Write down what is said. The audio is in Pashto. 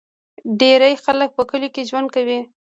ډیری خلک په کلیو کې ژوند کوي.